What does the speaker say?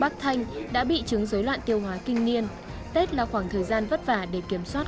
bác thanh đã bị chứng rối loạn tiêu hóa kinh nghiên tết là khoảng thời gian vất vả để kiểm soát